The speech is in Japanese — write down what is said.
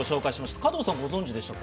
加藤さん、ご存じでしたか？